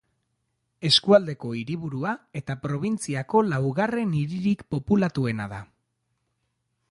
Eskualdeko hiriburua eta probintziako laugarren hiririk populatuena da.